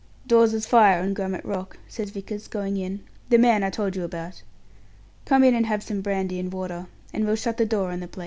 "Dawes's fire, on Grummet Rock," says Vickers, going in; "the man I told you about. Come in and have some brandy and water, and we'll shut the door in place." CHAPTER V.